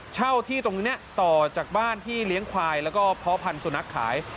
เช่าที่ตรงนี้ต่อจากบ้านที่เลี้ยงควายแล้วก็เพาะพันธุนักขาย